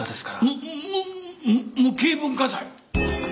むむむ無形文化財？